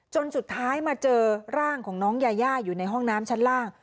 จนสุดท้ายมาเจอร่างของน้องยาย่าอยู่ในห้องน้ำชั้นล่าง